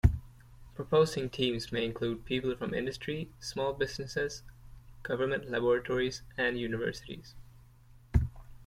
Proposing teams may include people from industry, small businesses, government laboratories, and universities.